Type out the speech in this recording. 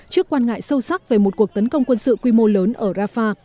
trước quan ngại sâu sắc về một cuộc tấn công quân sự quy mô lớn ở rafah